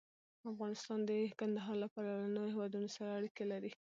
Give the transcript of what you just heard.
افغانستان د کندهار له پلوه له نورو هېوادونو سره اړیکې لري.